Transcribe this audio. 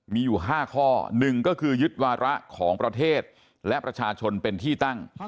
มีอยู่๕ข้อหนึ่งก็คือยึดวาระของประเทศและประชาชนเป็นที่ตั้ง